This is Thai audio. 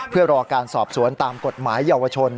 เพื่อรอการสอบสวนตามกฎหมายเยาวชน